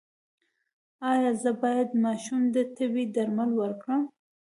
ایا زه باید ماشوم ته د تبې درمل ورکړم؟